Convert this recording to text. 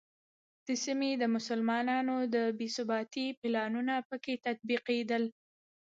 د سیمې د مسلمانانو د بې ثباتۍ پلانونه په کې تطبیقېدل.